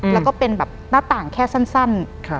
แล้วก็เป็นแบบหน้าต่างแค่สั้น